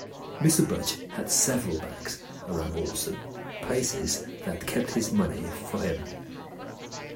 Mr. Butch had several "banks" around Allston, places that kept his money for him.